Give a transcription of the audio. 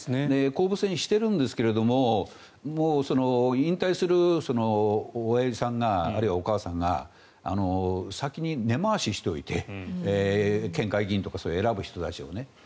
公募制にしているんですが引退する親父さんがあるいはお母さんが先に根回ししておいて県会議員とか選ぶ人たちをね。